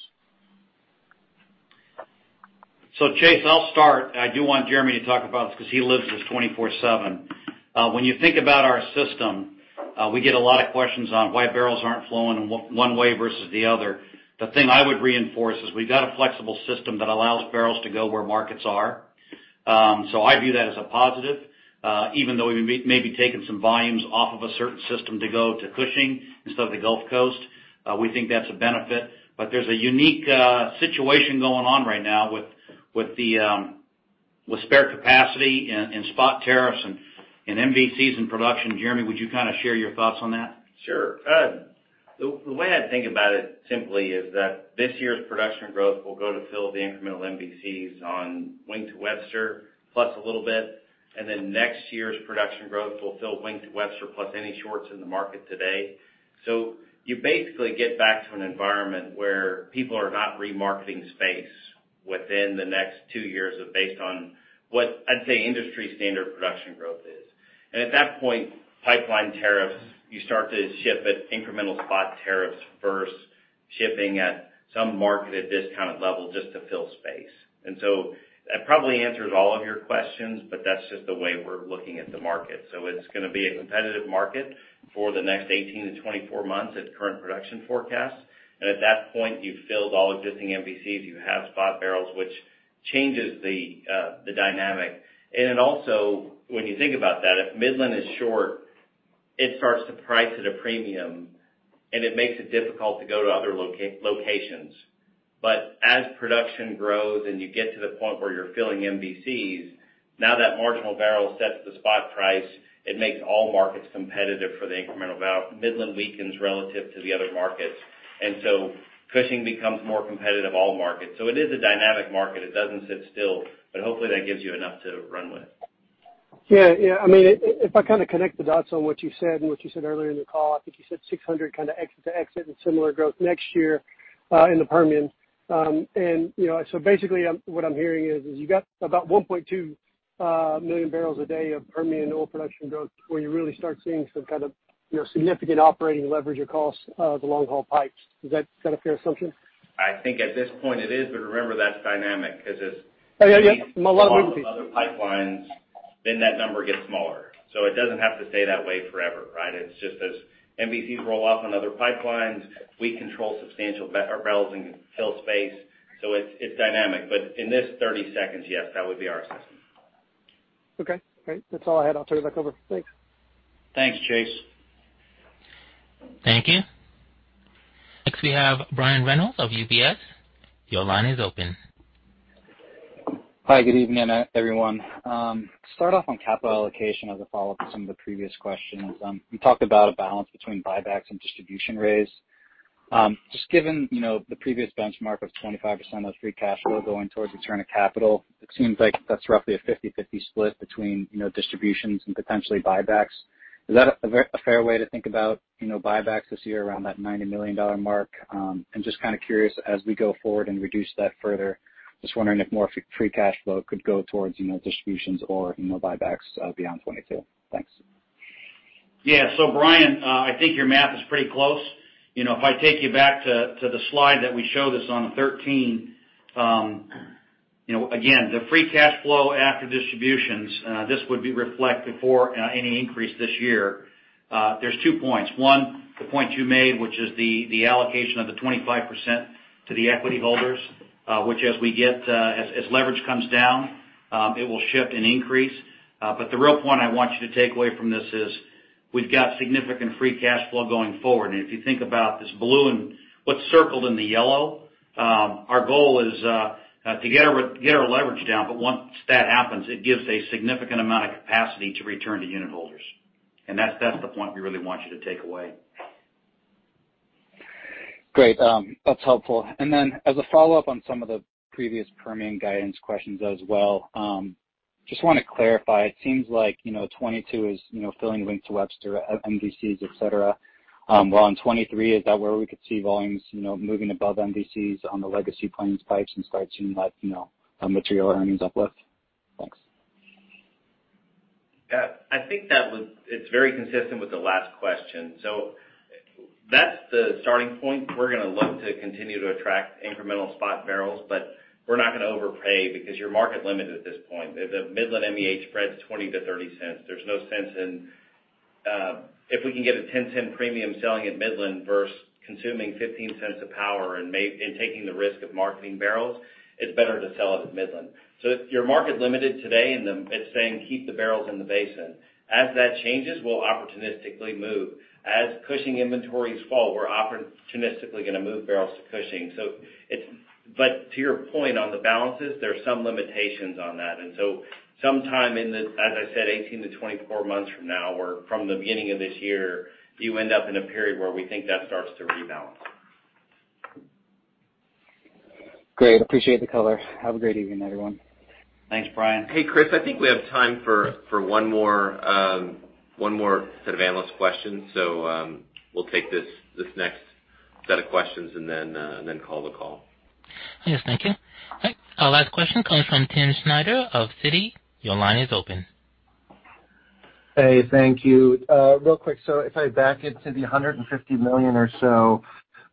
Chase, I'll start. I do want Jeremy to talk about this 'cause he lives this 24/7. When you think about our system, we get a lot of questions on why barrels aren't flowing one way versus the other. The thing I would reinforce is we've got a flexible system that allows barrels to go where markets are. So I view that as a positive, even though we may be taking some volumes off of a certain system to go to Cushing instead of the Gulf Coast. We think that's a benefit. There's a unique situation going on right now with spare capacity and spot tariffs and MVCs in production. Jeremy, would you kind of share your thoughts on that? Sure. The way I think about it simply is that this year's production growth will go to fill the incremental MVCs on Wink to Webster plus a little bit. Next year's production growth will fill Wink to Webster plus any shorts in the market today. You basically get back to an environment where people are not remarketing space within the next two years based on what I'd say industry standard production growth is. At that point, pipeline tariffs, you start to ship at incremental spot tariffs first, shipping somewhat at discounted level just to fill space. That probably answers all of your questions, but that's just the way we're looking at the market. It's gonna be a competitive market for the next 18-24 months at current production forecasts. At that point, you've filled all existing MVCs. You have spot barrels, which changes the dynamic. Then also, when you think about that, if Midland is short, it starts to price at a premium, and it makes it difficult to go to other locations. As production grows and you get to the point where you're filling MVCs, now that marginal barrel sets the spot price. It makes all markets competitive for the incremental barrel. Midland weakens relative to the other markets. Cushing becomes more competitive, all markets. It is a dynamic market. It doesn't sit still, but hopefully that gives you enough to run with. I mean, if I kind of connect the dots on what you said and what you said earlier in the call, I think you said 600 kind of exit to exit and similar growth next year in the Permian. You know, basically what I'm hearing is you got about 1.2 million barrels a day of Permian oil production growth before you really start seeing some kind of significant operating leverage across the long-haul pipes. Is that kind of a fair assumption? I think at this point it is, but remember that's dynamic because as Oh, yeah. other pipelines, then that number gets smaller. It doesn't have to stay that way forever, right? It's just as MVCs roll off on other pipelines, we control substantial barrels and fill space, so it's dynamic. In this 30 seconds, yes, that would be our assumption. Okay. Great. That's all I had. I'll turn it back over. Thanks. Thanks, Chase. Thank you. Next we have Brian Reynolds of UBS. Your line is open. Hi. Good evening everyone. Start off on capital allocation as a follow-up to some of the previous questions. You talked about a balance between buybacks and distribution raise. Just given, you know, the previous benchmark of 25% of free cash flow going towards return of capital, it seems like that's roughly a 50/50 split between, you know, distributions and potentially buybacks. Is that a fair way to think about, you know, buybacks this year around that $90 million mark? Just kind of curious as we go forward and reduce that further, just wondering if more free cash flow could go towards, you know, distributions or, you know, buybacks, beyond 2022. Thanks. Yeah. Brian, I think your math is pretty close. You know, if I take you back to the slide that we showed this on the 13, you know, again, the free cash flow after distributions, this would reflect before any increase this year. There's two points. One, the point you made, which is the allocation of the 25% to the equity holders, which as we get, as leverage comes down, it will shift and increase. But the real point I want you to take away from this is we've got significant free cash flow going forward. If you think about this blue and what's circled in the yellow, our goal is to get our leverage down. Once that happens, it gives a significant amount of capacity to return to unit holders. That's the point we really want you to take away. Great. That's helpful. As a follow-up on some of the previous Permian guidance questions as well, just wanna clarify. It seems like, you know, 2022 is, you know, filling Wink to Webster, MVCs, et cetera. While on 2023, is that where we could see volumes, you know, moving above MVCs on the legacy Plains pipes and start seeing that, you know, material earnings uplift? Thanks. Yeah. I think it's very consistent with the last question. That's the starting point. We're gonna look to continue to attract incremental spot barrels, but we're not gonna overpay because you're market limited at this point. The Midland MEH spreads $0.20-$0.30. There's no sense in if we can get a $0.10 premium selling at Midland versus consuming $0.15 of power and taking the risk of marketing barrels, it's better to sell it at Midland. You're market limited today, and it's saying keep the barrels in the basin. As that changes, we'll opportunistically move. As Cushing inventories fall, we're opportunistically gonna move barrels to Cushing. To your point on the balances, there are some limitations on that. Sometime in the, as I said, 18-24 months from now or from the beginning of this year, you end up in a period where we think that starts to rebalance. Great. Appreciate the color. Have a great evening, everyone. Thanks, Brian. Hey, Chris, I think we have time for one more set of analyst questions. We'll take this next set of questions and then call the call. Yes. Thank you. All right, our last question comes from Timm Schneider of Citi. Your line is open. Hey. Thank you. Real quick, if I back it to the $150 million or so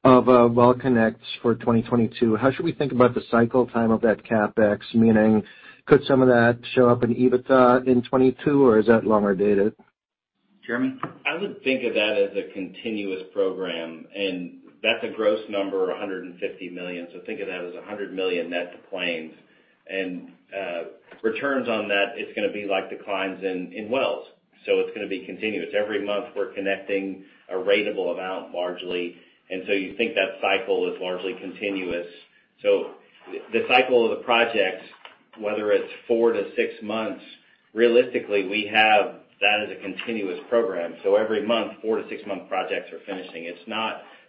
of well connects for 2022, how should we think about the cycle time of that CapEx? Meaning could some of that show up in EBITDA in 2022, or is that longer dated? Jeremy? I would think of that as a continuous program, and that's a gross number, $150 million. Think of that as $100 million net to Plains. Returns on that, it's gonna be like declines in wells. It's gonna be continuous. Every month, we're connecting a ratable amount, largely. You think that cycle is largely continuous. The cycle of the projects, whether it's four to six months, realistically, we have that as a continuous program. Every month, 4-6-month projects are finishing.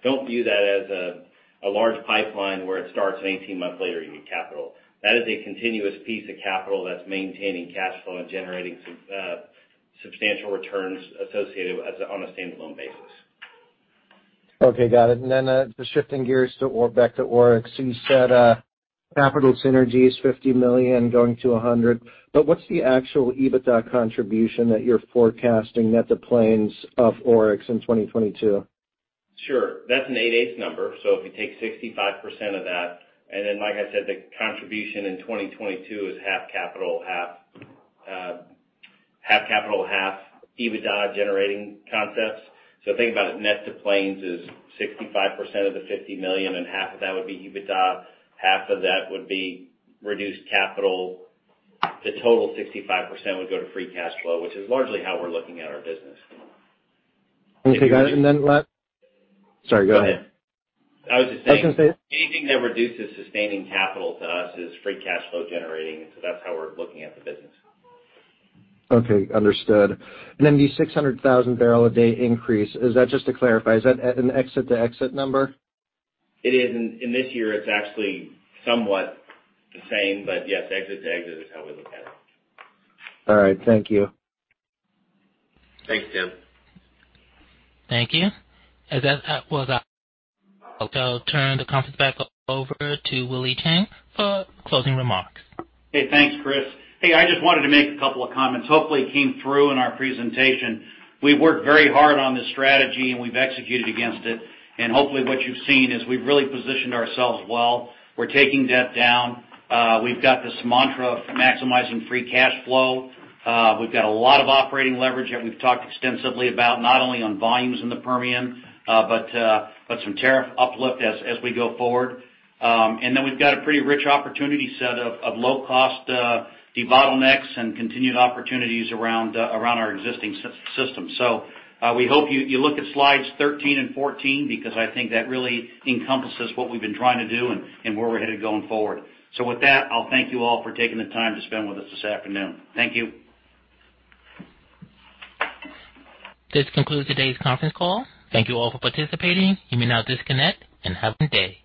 Don't view that as a large pipeline where it starts and 18 months later you need capital. That is a continuous piece of capital that's maintaining cash flow and generating substantial returns associated with on a standalone basis. Okay. Got it. Then, just shifting gears to or back to Oryx. You said capital synergy is $50 million going to $100 million, but what's the actual EBITDA contribution that you're forecasting net of Plains of Oryx in 2022? Sure. That's an 8/8ths number. If you take 65% of that, and then like I said, the contribution in 2022 is half capital, half EBITDA generating concepts. Think about it, net to Plains is 65% of the $50 million, and half of that would be EBITDA. Half of that would be reduced capital. The total 65% would go to free cash flow, which is largely how we're looking at our business. Okay. Got it. Sorry, go ahead. Go ahead. I was just saying. I was gonna say- Anything that reduces sustaining capital to us is free cash flow generating, so that's how we're looking at the business. Okay. Understood. The 600,000 barrel a day increase, is that just to clarify, is that an exit-to-exit number? It is. In this year it's actually somewhat the same, but yes, exit-to-exit is how we look at it. All right. Thank you. Thanks, Timm. Thank you. I'll turn the conference back over to Willie Chiang for closing remarks. Hey, thanks, Chris. Hey, I just wanted to make a couple of comments. Hopefully it came through in our presentation. We worked very hard on this strategy and we've executed against it. Hopefully what you've seen is we've really positioned ourselves well. We're taking debt down. We've got this mantra of maximizing free cash flow. We've got a lot of operating leverage that we've talked extensively about, not only on volumes in the Permian, but some tariff uplift as we go forward. And then we've got a pretty rich opportunity set of low cost debottlenecks and continued opportunities around our existing system. We hope you look at slides 13 and 14 because I think that really encompasses what we've been trying to do and where we're headed going forward. With that, I'll thank you all for taking the time to spend with us this afternoon. Thank you. This concludes today's conference call. Thank you all for participating. You may now disconnect and have a good day.